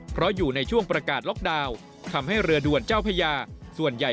เพราะอยู่ในช่วงประกาศล็อกดาวน์ทำให้เรือด่วนเจ้าพญาส่วนใหญ่